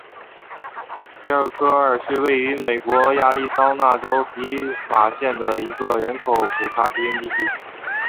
皮马科二是位于美国亚利桑那州皮马县的一个人口普查指定地区。